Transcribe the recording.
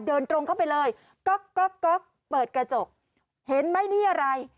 เดินตรงเข้าไปเลยก๊อกก๊อกเปิดกระจกเห็นไหมนี่อะไร